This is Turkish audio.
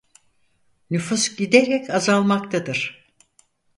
Nüfus giderek azalmaktadır.